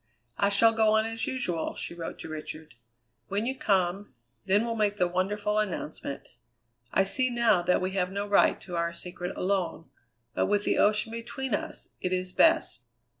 "I shall go on as usual," she wrote to Richard. "When you come, then we'll make the wonderful announcement. I see now that we have no right to our secret alone; but with the ocean between us, it is best."